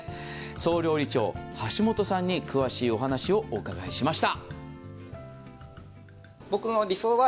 総料理長、橋本さんに詳しいお話をお伺いしました。